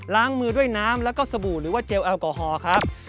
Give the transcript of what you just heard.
๓ล้างมือด้วยน้ำและสบู่หรือเจลแอลกอฮอล์